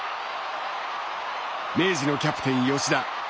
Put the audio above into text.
明治のキャプテン吉田。